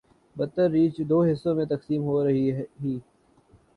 ، بتدریج دو حصوں میں تقسیم ہورہی ہی۔